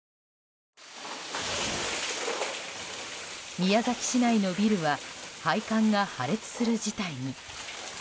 宮崎市内のビルは配管が破裂する事態に。